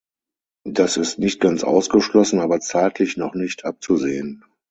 Das ist nicht ganz ausgeschlossen, aber zeitlich noch nicht abzusehen.